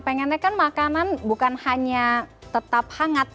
pengennya kan makanan bukan hanya tetap hangat